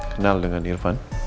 kenal dengan irvan